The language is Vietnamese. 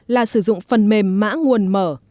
là sử dụng phần mềm mã nguồn mở